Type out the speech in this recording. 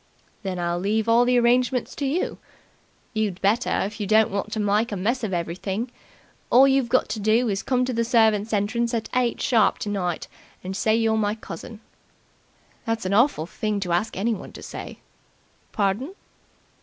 "Then I'll leave all the arrangements to you." "You'd better, if you don't want to mike a mess of everything. All you've got to do is to come to the servants' entrance at eight sharp tonight and say you're my cousin." "That's an awful thing to ask anyone to say." "Pardon?"